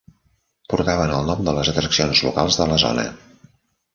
Portaven el nom de les atraccions locals de la zona.